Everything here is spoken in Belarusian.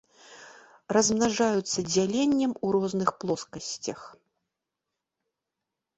Размнажаюцца дзяленнем у розных плоскасцях.